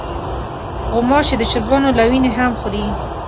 غوماشې د چرګانو له وینې هم خوري.